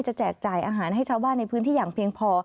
แจกจ่ายอาหารให้ชาวบ้านในพื้นที่อย่างเพียงพอ